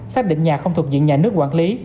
xác định nhà không thuộc diện nhà nước quản lý